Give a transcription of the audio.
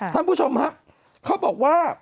ท่านผู้ชมครับเขาบอกว่า